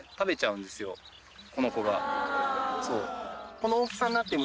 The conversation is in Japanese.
この子が。